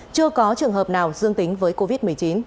chưa có trường hợp nào dương tính với covid một mươi chín